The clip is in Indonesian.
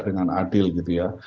dengan adil gitu ya